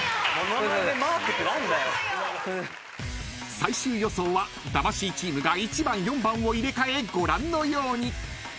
［最終予想は魂チームが１番４番を入れ替えご覧のように］